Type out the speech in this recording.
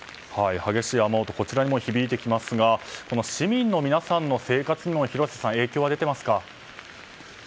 激しい雨音がこちらにも響いてきますが市民の皆さんの生活にも広瀬さん、影響は出ていますか。